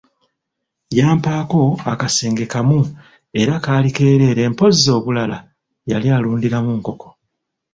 Yampaako akasenge kamu era kaali keereere mpozzi obulala yali alundiramu nkoko.